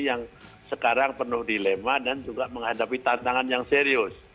yang sekarang penuh dilema dan juga menghadapi tantangan yang serius